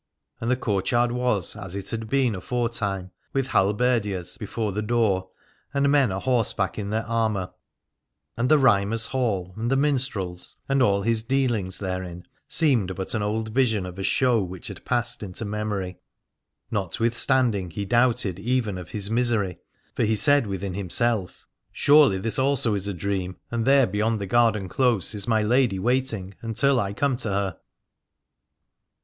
And the courtyard was as it had been afore time, with halberdiers before the door and men a horseback in their armour: and the Rhymer's Hall and the minstrels and all his dealings therein seemed but an old vision or a show which had passed into memory. Not withstanding he doubted even of his misery : for he said within himself: Surely this also 291 Aladore is a dream, and there beyond the garden close is my lady waiting until I come to her.